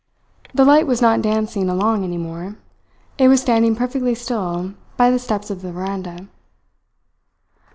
The light was not dancing along any more; it was standing perfectly still by the steps of the veranda.